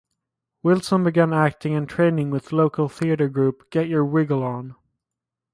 Wilson began acting and training with local theatre group Get Your Wigle On.